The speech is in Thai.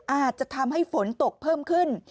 อาจจะทำให้ฝนตกเพิ่มขึ้น